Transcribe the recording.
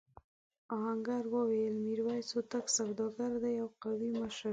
آهنګر وویل میرويس هوتک سوداګر دی او قومي مشر دی.